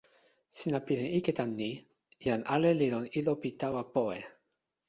sina pilin ike tan ni: jan ale li lon ilo pi tawa powe.